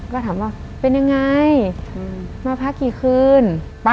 ก็ถามว่าเป็นยังไงมาพักกี่คืน